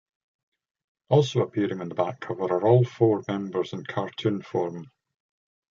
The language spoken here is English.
Also appearing on the back cover are all four members in cartoon form.